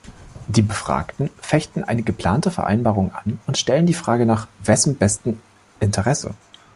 Die Befragten fechten eine geplante Vereinbarung an und stellen die Frage nach „wessen bestem Interesse“.